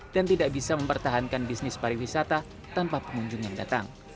dan tidak bisa mempertahankan bisnis pariwisata tanpa pengunjung yang datang